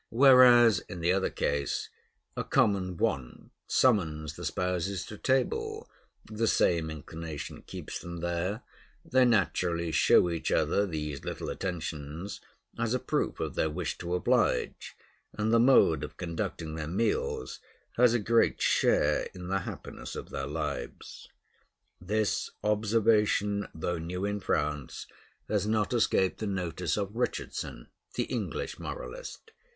Whereas, in the other case, a common want summons the spouses to table, the same inclination keeps them there; they naturally show each other these little attentions as a proof of their wish to oblige, and the mode of conducting their meals has a great share in the happiness of their lives. This observation, though new in France, has not escaped the notice of Richardson, the English moralist.